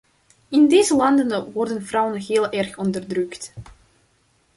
In deze landen worden vrouwen heel erg onderdrukt.